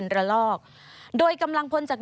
สวัสดีค่ะสวัสดีค่ะ